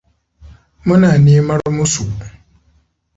Muna nemar musu.